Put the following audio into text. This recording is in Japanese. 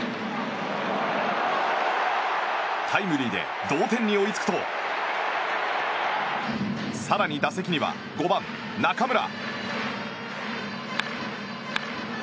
タイムリーで同点に追いつくと更に打席には５番、中村。